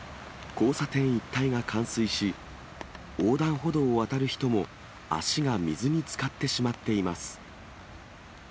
交差点一帯が冠水し、横断歩道を渡る人も、足が水につかってしまっています。